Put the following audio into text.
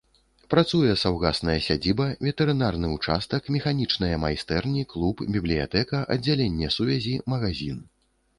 Працуе саўгасная сядзіба, ветэрынарны ўчастак, механічныя майстэрні, клуб, бібліятэка, аддзяленне сувязі, магазін.